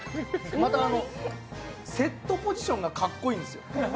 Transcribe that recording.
またセットポジションがかっこいいんですよ。